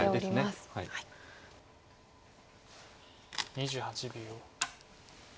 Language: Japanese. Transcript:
２８秒。